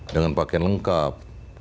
dengan pakaian lengkap